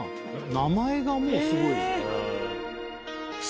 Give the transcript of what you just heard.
名前がもうすごいえっ！？